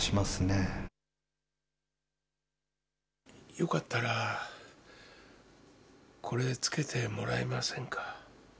よかったら、これ、つけてもらえませんか。